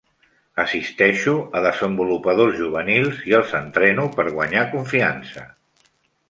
Assisteixo a desenvolupadors juvenils i els entreno per guanyar confiança.